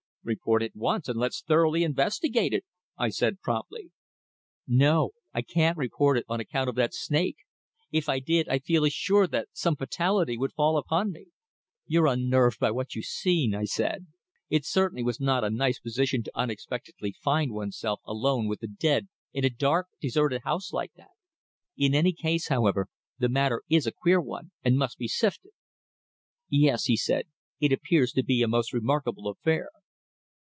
"Report at once and let's thoroughly investigate it," I said promptly. "No. I can't report it on account of that snake. If I did, I feel assured that some fatality would fall upon me." "You're unnerved by what you've seen," I said. "It certainly was not a nice position to unexpectedly find oneself alone with the dead in a dark deserted house like that. In any case, however, the matter is a queer one and must be sifted." "Yes," he said, "it appears to be a most remarkable affair."